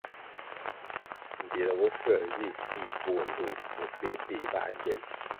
Mbvire bofuē nzih sih poh ndtoh bo peh-peh bā gyel.